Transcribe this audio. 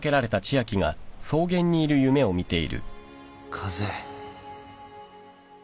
風？